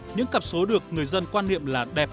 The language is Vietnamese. những cặp số được người dân quan niệm là đẹp